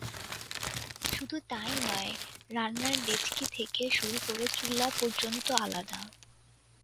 শুধু তা-ই নয়, রান্নার ডেকচি থেকে শুরু করে চুলা পর্যন্ত আলাদা।